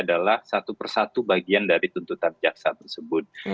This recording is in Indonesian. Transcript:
adalah satu persatu bagian dari tuntutan jaksa tersebut